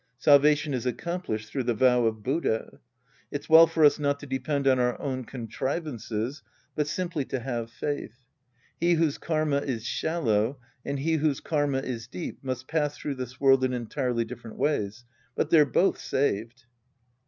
Salvation is accomplished through the vow of Buddha. It's well for us not to depend on our own contrivances, but simply to have faith. He whose karma is shallow and he whose karma is deep must pass through this world in entirely different ways. But they're both saved.